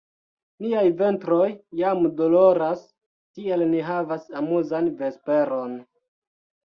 Niaj ventroj jam doloras; tiel ni havas amuzan vesperon!